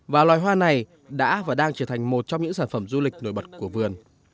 và loài hoa này đã và đang trở thành một trong những sản phẩm du lịch nổi bật của vườn